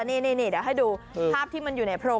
นี่เดี๋ยวให้ดูภาพที่มันอยู่ในโพรง